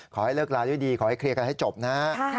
ขอให้เลิกลาด้วยดีขอให้เคลียร์กันให้จบนะ